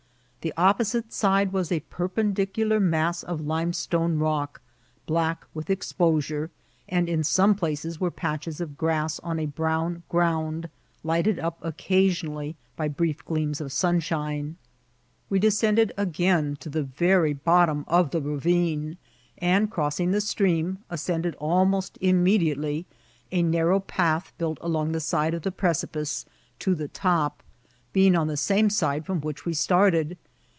The opposite side was a perpendicidsr mass of lim^ stone rock, black with exposure, and in some places were patches of grass on a brown ground, lighted up occasionally by brief gleams of sunshine* We d^ 174 INCIBllTTS OF T&ATIL. flcended again to the very bottom of the rayiney and, crossing the stream, ascended ahnost immediately a narrow path built along the side of the precipice to the topi being on the same side from which we started.